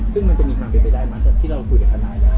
ซึ่งมันจะมีความเป็นไปได้ไหมที่เราคุยกับทนายแล้ว